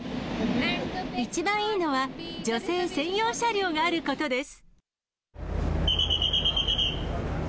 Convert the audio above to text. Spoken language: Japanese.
一番いいのは、女性専用車両があることです。